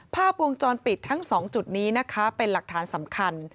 ภาพวงจรปิดทั้ง๒จุดนี้นะคะเป็นหลักฐานสำคัญ